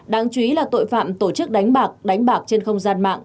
đáng chú ý là tội phạm tổ chức đánh bạc đánh bạc trên không gian mạng